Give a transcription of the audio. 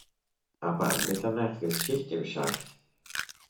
Aber ab Mitternacht ist Schicht im Schacht.